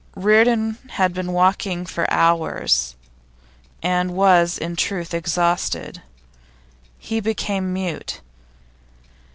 Reardon had been walking for hours, and was, in truth, exhausted. He became mute.